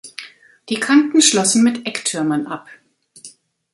Die Kanten schlossen mit Ecktürmen ab.